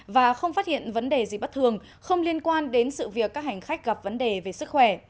và không phát hiện vấn đề gì bất thường không liên quan đến sự việc các hành khách gặp vấn đề về sức khỏe